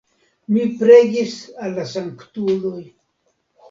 Mi preĝis al la sanktuloj.